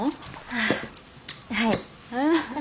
ああはい。